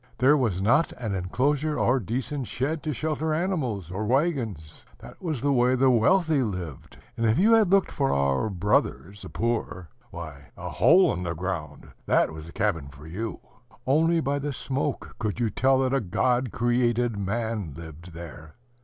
There was not an inclosure or decent shed to shelter animals or wagons. That was the way the wealthy lived; and if you had looked for our brothers, the poor, why, a hole in the ground, that was a cabin for you! Only by the smoke could you tell that a God created man lived there.